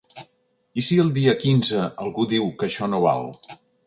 I si el dia quinze algú diu que això no val?